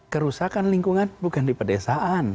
kerusakan lingkungan bukan di pedesaan